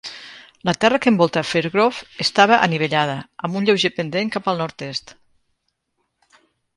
La terra que envolta Fairgrove estava anivellada, amb un lleuger pendent cap al nord-oest.